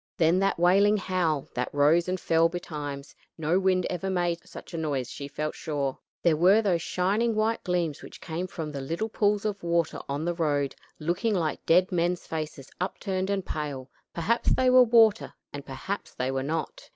Then that wailing howl that rose and fell betimes; no wind ever made such a noise she felt sure. There were those shining white gleams which came from the little pools of water on the road, looking like dead men's faces upturned and pale; perhaps they were water and perhaps they were not.